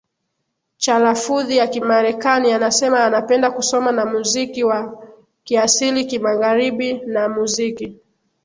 cha lafudhi ya kimarekani anasema anapenda kusoma na muziki wa kiasilikimagharibina muziki